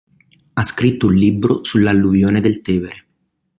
Ha scritto un libro sull'alluvione del Tevere.